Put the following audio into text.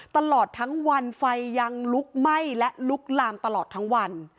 ตลอดทั้งวันไฟยังลุกไหม้และลุกลามตลอดทั้งวัน